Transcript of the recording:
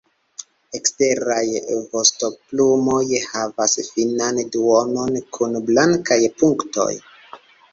Eksteraj vostoplumoj havas finan duonon kun blankaj punktoj.